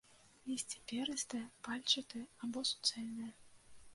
Лісце перыстае, пальчатае або суцэльнае.